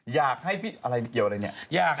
อยากให้อะไรเกี่ยวอะไรเนี่ย